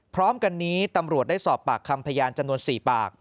พร้อมกันนี้ตำรวจได้สอบปากคำพยานจำนวน๔ปาก